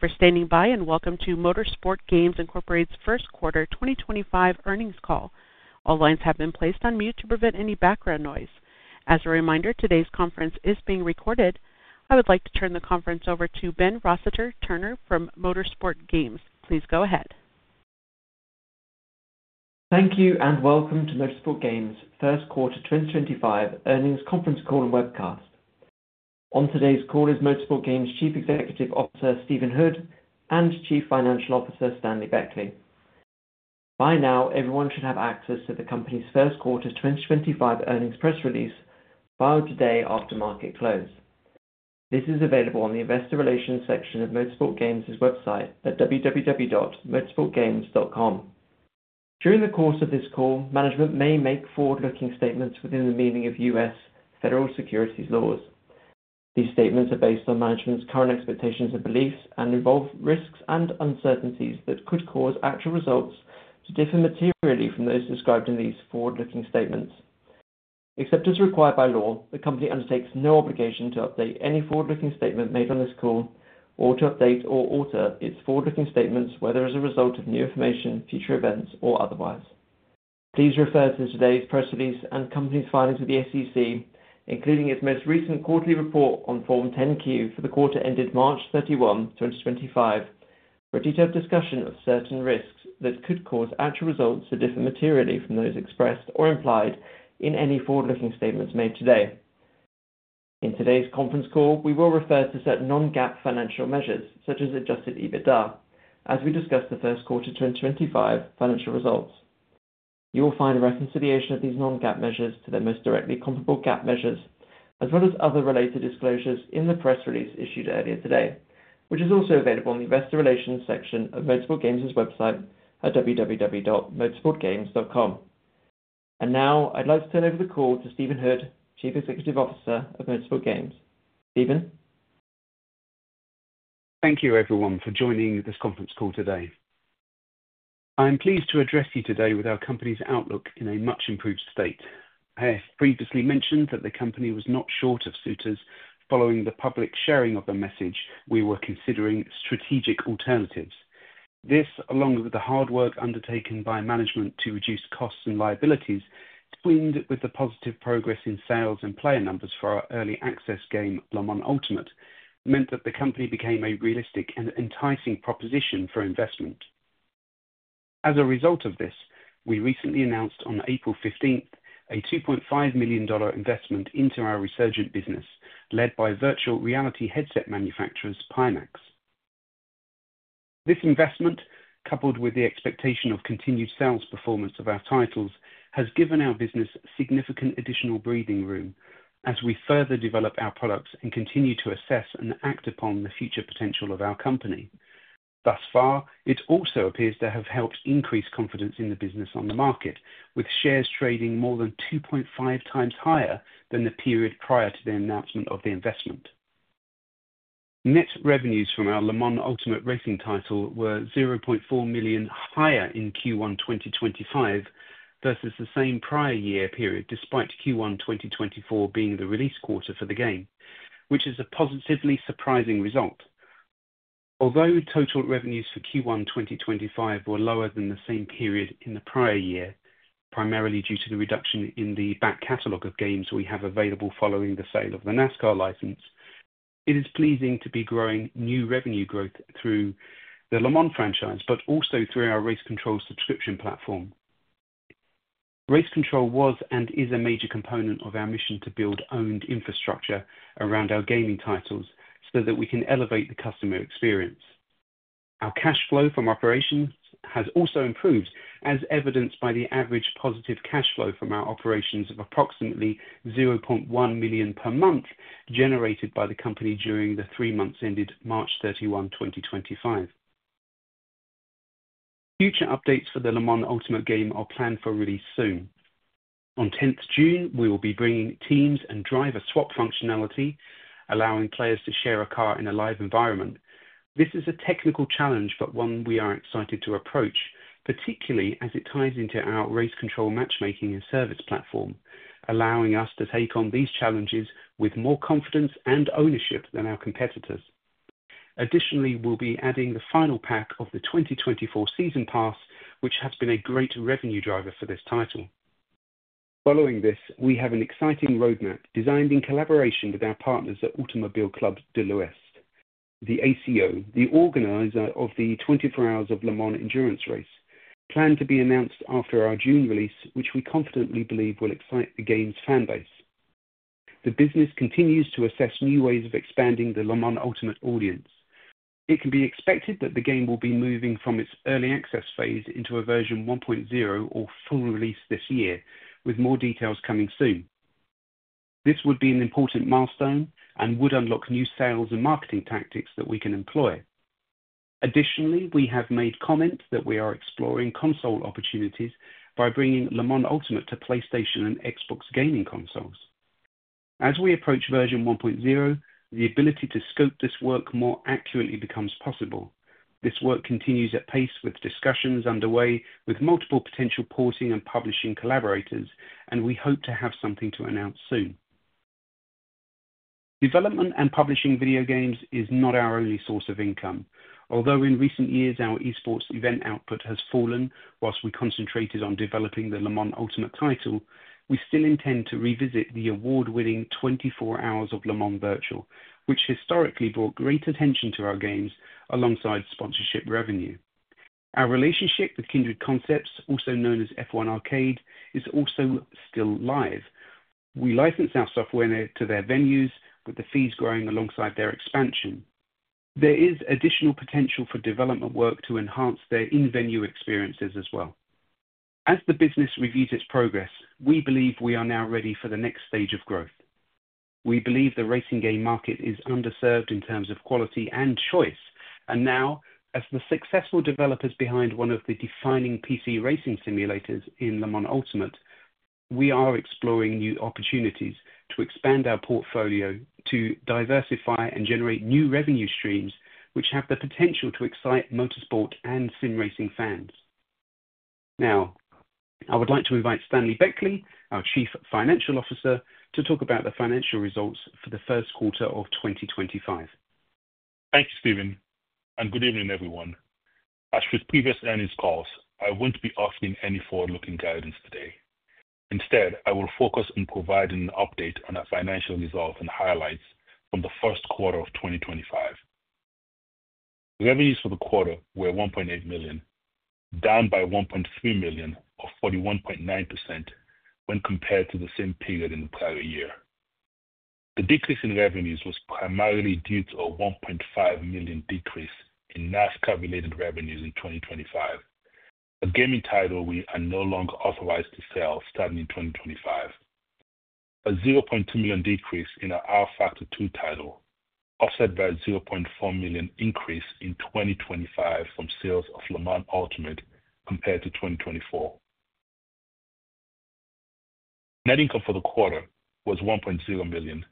Thank you for standing by and welcome to Motorsport Games' first quarter 2025 earnings call. All lines have been placed on mute to prevent any background noise. As a reminder, today's conference is being recorded. I would like to turn the conference over to Ben Rossiter-Turner from Motorsport Games. Please go ahead. Thank you and welcome to Motorsport Games' first quarter 2025 earnings conference call and webcast. On today's call is Motorsport Games Chief Executive Officer Stephen Hood and Chief Financial Officer Stanley Beckley. By now, everyone should have access to the company's first quarter 2025 earnings press release filed today after market close. This is available on the investor relations section of Motorsport Games' website at www.motorsportgames.com. During the course of this call, management may make forward-looking statements within the meaning of U.S. federal securities laws. These statements are based on management's current expectations and beliefs and involve risks and uncertainties that could cause actual results to differ materially from those described in these forward-looking statements. Except as required by law, the company undertakes no obligation to update any forward-looking statement made on this call or to update or alter its forward-looking statements whether as a result of new information, future events, or otherwise. Please refer to today's press release and company's filings with the SEC, including its most recent quarterly report on Form 10-Q for the quarter ended March 31, 2025, for a detailed discussion of certain risks that could cause actual results to differ materially from those expressed or implied in any forward-looking statements made today. In today's conference call, we will refer to certain non-GAAP financial measures, such as Adjusted EBITDA, as we discuss the first quarter 2025 financial results. You will find a reconciliation of these non-GAAP measures to their most directly comparable GAAP measures, as well as other related disclosures in the press release issued earlier today, which is also available in the investor relations section of Motorsport Games' website at www.motorsportgames.com. I would like to turn over the call to Stephen Hood, Chief Executive Officer of Motorsport Games. Stephen? Thank you, everyone, for joining this conference call today. I'm pleased to address you today with our company's outlook in a much-improved state. I have previously mentioned that the company was not short of suitors following the public sharing of the message, "We were considering strategic alternatives." This, along with the hard work undertaken by management to reduce costs and liabilities, twined with the positive progress in sales and player numbers for our early access game, Le Mans Ultimate, meant that the company became a realistic and enticing proposition for investment. As a result of this, we recently announced on April 15th a $2.5 million investment into our resurgent business led by virtual reality headset manufacturers, Pimax. This investment, coupled with the expectation of continued sales performance of our titles, has given our business significant additional breathing room as we further develop our products and continue to assess and act upon the future potential of our company. Thus far, it also appears to have helped increase confidence in the business on the market, with shares trading more than 2.5x higher than the period prior to the announcement of the investment. Net revenues from our Le Mans Ultimate racing title were $0.4 million higher in Q1 2025 versus the same prior year period, despite Q1 2024 being the release quarter for the game, which is a positively surprising result. Although total revenues for Q1 2025 were lower than the same period in the prior year, primarily due to the reduction in the back catalog of games we have available following the sale of the NASCAR license, it is pleasing to be growing new revenue growth through the Le Mans franchise, but also through our Race Control subscription platform. Race Control was and is a major component of our mission to build owned infrastructure around our gaming titles so that we can elevate the customer experience. Our cash flow from operations has also improved, as evidenced by the average positive cash flow from our operations of approximately $0.1 million per month generated by the company during the three months ended March 31, 2025. Future updates for the Le Mans Ultimate game are planned for release soon. On 10th June, we will be bringing Teams and Driver Swap functionality, allowing players to share a car in a live environment. This is a technical challenge, but one we are excited to approach, particularly as it ties into our Race Control matchmaking and service platform, allowing us to take on these challenges with more confidence and ownership than our competitors. Additionally, we'll be adding the final pack of the 2024 season pass, which has been a great revenue driver for this title. Following this, we have an exciting roadmap designed in collaboration with our partners at Automobile Club de l'Ouest. The ACO, the organizer of the 24 Hours of Le Mans Endurance Race, planned to be announced after our June release, which we confidently believe will excite the game's fanbase. The business continues to assess new ways of expanding the Le Mans Ultimate audience. It can be expected that the game will be moving from its early access phase into a version 1.0 or full release this year, with more details coming soon. This would be an important milestone and would unlock new sales and marketing tactics that we can employ. Additionally, we have made comments that we are exploring console opportunities by bringing Le Mans Ultimate to PlayStation and Xbox gaming consoles. As we approach version 1.0, the ability to scope this work more accurately becomes possible. This work continues at pace with discussions underway with multiple potential porting and publishing collaborators, and we hope to have something to announce soon. Development and publishing video games is not our only source of income. Although in recent years our esports event output has fallen whilst we concentrated on developing the Le Mans Ultimate title, we still intend to revisit the award-winning 24 Hours of Le Mans Virtual, which historically brought great attention to our games alongside sponsorship revenue. Our relationship with Kindred Concepts, also known as F1 Arcade, is also still live. We license our software to their venues, with the fees growing alongside their expansion. There is additional potential for development work to enhance their in-venue experiences as well. As the business reviews its progress, we believe we are now ready for the next stage of growth. We believe the racing game market is underserved in terms of quality and choice, and now, as the successful developers behind one of the defining PC racing simulators in Le Mans Ultimate, we are exploring new opportunities to expand our portfolio, to diversify and generate new revenue streams which have the potential to excite motorsport and sim racing fans. Now, I would like to invite Stanley Beckley, our Chief Financial Officer, to talk about the financial results for the first quarter of 2025. Thank you, Stephen, and good evening, everyone. As with previous earnings calls, I won't be offering any forward-looking guidance today. Instead, I will focus on providing an update on our financial results and highlights from the first quarter of 2025. Revenues for the quarter were $1.8 million, down by $1.3 million, or 41.9%, when compared to the same period in the prior year. The decrease in revenues was primarily due to a $1.5 million decrease in NASCAR-related revenues in 2025, a gaming title we are no longer authorized to sell starting in 2025, a $0.2 million decrease in our rFactor 2 title, offset by a $0.4 million increase in 2025 from sales of Le Mans Ultimate compared to 2024. Net income for the quarter was $1.0 million,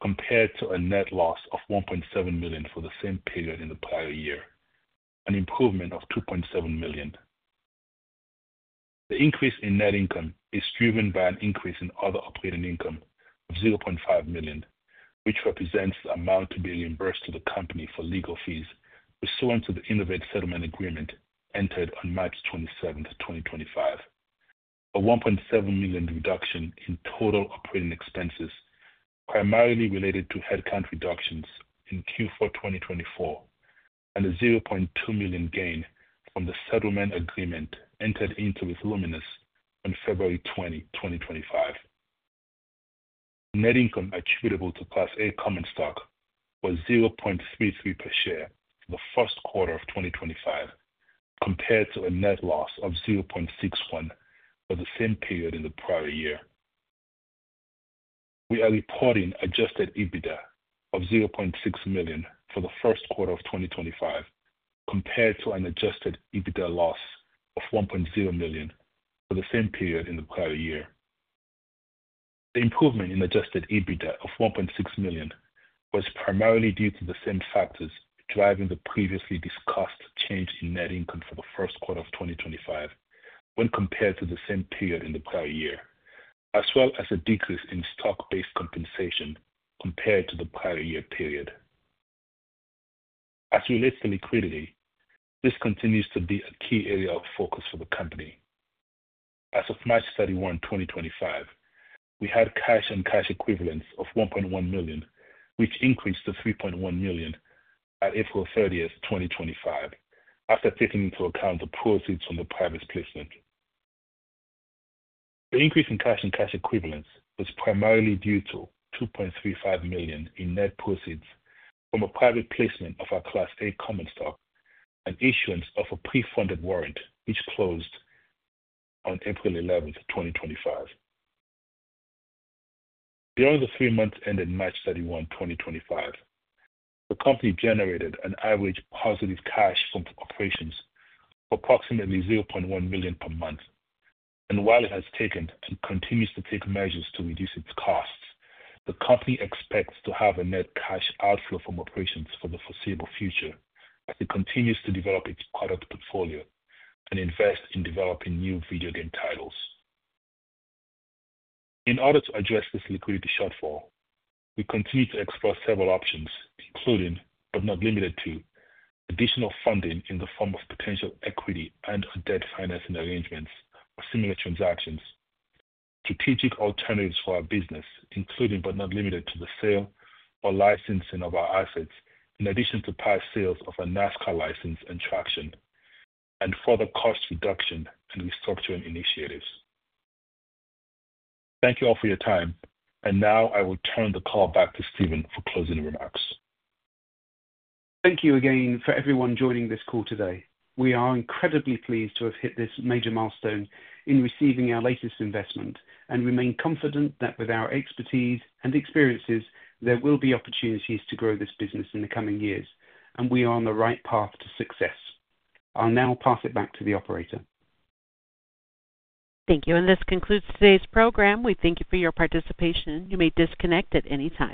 compared to a net loss of $1.7 million for the same period in the prior year, an improvement of $2.7 million. The increase in net income is driven by an increase in other operating income of $0.5 million, which represents the amount to be reimbursed to the company for legal fees pursuant to the Innovate Settlement Agreement entered on March 27, 2025, a $1.7 million reduction in total operating expenses primarily related to headcount reductions in Q4 2024, and a $0.2 million gain from the settlement agreement entered into with Luminous on February 20, 2025. Net income attributable to Class A Common Stock was $0.33 per share for the first quarter of 2025, compared to a net loss of $0.61 for the same period in the prior year. We are reporting Adjusted EBITDA of $0.6 million for the first quarter of 2025, compared to an Adjusted EBITDA loss of $1.0 million for the same period in the prior year. The improvement in Adjusted EBITDA of $1.6 million was primarily due to the same factors driving the previously discussed change in net income for the first quarter of 2025 when compared to the same period in the prior year, as well as a decrease in stock-based compensation compared to the prior year period. As we list the liquidity, this continues to be a key area of focus for the company. As of March 31, 2025, we had cash and cash equivalents of $1.1 million, which increased to $3.1 million at April 30, 2025, after taking into account the proceeds from the private placement. The increase in cash and cash equivalents was primarily due to $2.35 million in net proceeds from a private placement of our Class A Common Stock and issuance of a pre-funded warrant, which closed on April 11, 2025. During the three months ended March 31, 2025, the company generated an average positive cash from operations of approximately $0.1 million per month, and while it has taken and continues to take measures to reduce its costs, the company expects to have a net cash outflow from operations for the foreseeable future as it continues to develop its product portfolio and invest in developing new video game titles. In order to address this liquidity shortfall, we continue to explore several options, including, but not limited to, additional funding in the form of potential equity and/or debt financing arrangements for similar transactions, strategic alternatives for our business, including, but not limited to, the sale or licensing of our assets, in addition to past sales of our NASCAR license and traction, and further cost reduction and restructuring initiatives. Thank you all for your time, and now I will turn the call back to Stephen for closing remarks. Thank you again for everyone joining this call today. We are incredibly pleased to have hit this major milestone in receiving our latest investment and remain confident that with our expertise and experiences, there will be opportunities to grow this business in the coming years, and we are on the right path to success. I'll now pass it back to the operator. Thank you, and this concludes today's program. We thank Fou for your participation. You may disconnect at any time.